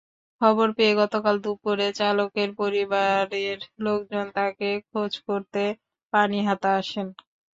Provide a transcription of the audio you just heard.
খবর পেয়ে গতকাল দুপুরে চালকের পরিবারের লোকজন তাঁকে খোঁজ করতে পানিহাতা আসেন।